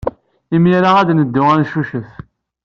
Imir-a ad neddu ad neccucef.